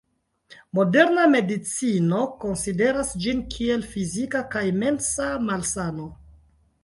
Moderna medicino konsideras ĝin kiel fizika kaj mensa malsano.